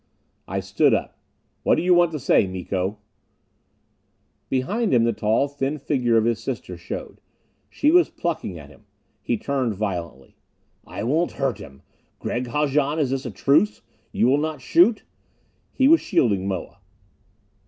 I stood up. "What do you want to say, Miko?" Behind him the tall, thin figure of his sister showed. She was plucking at him. He turned violently. "I won't hurt him! Gregg Haljan is this a truce? You will not shoot?" He was shielding Moa.